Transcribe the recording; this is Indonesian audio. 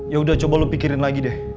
yaudah coba lo pikirin lagi deh